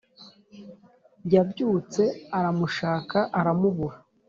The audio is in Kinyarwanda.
yabyutse aramushaka aramubura